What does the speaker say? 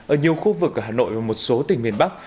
ở nhiều khu vực ở hà nội và một số tỉnh miền bắc